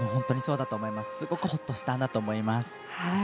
すごくほっとしたんだと思います。